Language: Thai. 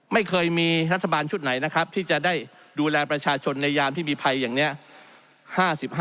ไม่เคยมีรัฐบาลชุดไหนนะครับที่จะได้ดูแลประชาชนในยามที่มีภัยอย่างนี้